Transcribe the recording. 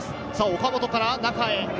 岡本から中へ。